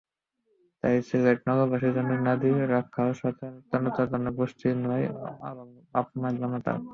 তাই সিলেট নগরবাসীর জন্য নদী রক্ষার সচেতনতা কোনো গোষ্ঠীর নয়, আপামর জনতার।